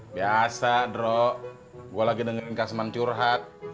biasa drok gue lagi dengerin kak seman curhat